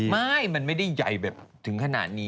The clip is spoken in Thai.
ไม่มันไม่ได้ใหญ่แบบถึงขนาดนี้